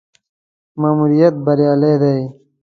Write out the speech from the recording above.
ماموریت بریالی دی.